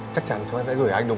chắc chắn chú em sẽ gửi anh đúng